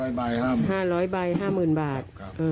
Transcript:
ลูอร์เตอรี่ห้าร้อยใบ๕๐บาท